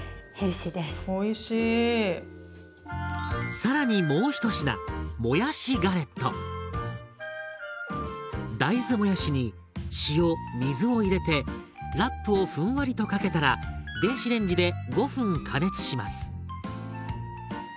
更にもう１品大豆もやしに塩水を入れてラップをふんわりとかけたら電子レンジで５分加熱します。